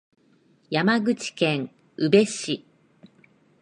山口県宇部市